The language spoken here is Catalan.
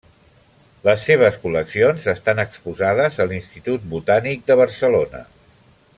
Les seves col·leccions estan exposades a l'Institut Botànic de Barcelona.